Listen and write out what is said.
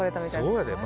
そうやで。